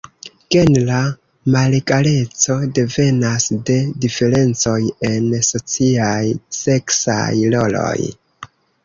Genra malegaleco devenas de diferencoj en sociaj seksaj roloj.